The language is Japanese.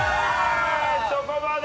そこまで！